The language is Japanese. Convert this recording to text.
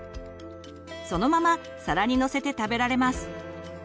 そのまま皿にのせて食べられます。